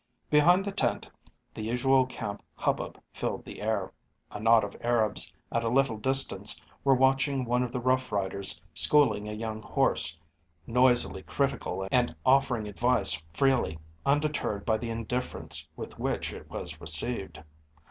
Behind the tent the usual camp hubbub filled the air. A knot of Arabs at a little distance were watching one of the rough riders schooling a young horse, noisily critical and offering advice freely, undeterred by the indifference with which it was received.